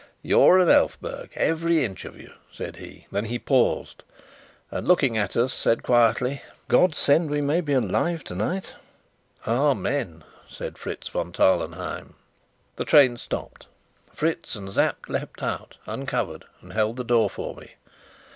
"You're an Elphberg, every inch of you," said he. Then he paused, and looking at us, said quietly, "God send we may be alive tonight!" "Amen!" said Fritz von Tarlenheim. The train stopped. Fritz and Sapt leapt out, uncovered, and held the door for me.